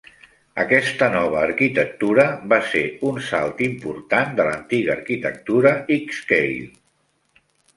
Aquesta nova arquitectura va ser un salt important de l'antiga arquitectura Xscale.